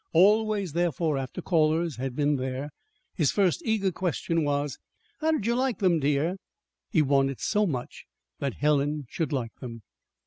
Always, therefore, after callers had been there, his first eager question was: "How did you like them, dear?" He wanted so much that Helen should like them!